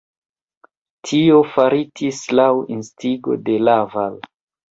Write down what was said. Tio faritis laŭ instigo de Laval.